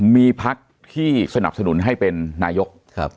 มีพักที่สนับสนุนให้เป็นนายก